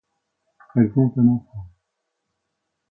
Elles ont un enfant.